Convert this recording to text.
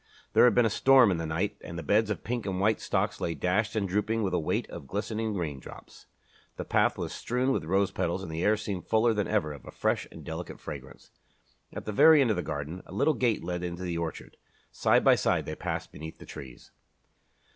There had been a storm in the night and the beds of pink and white stocks lay dashed and drooping with a weight of glistening rain drops. The path was strewn with rose petals and the air seemed fuller than ever of a fresh and delicate fragrance. At the end of the garden, a little gate led into the orchard. Side by side they passed beneath the trees.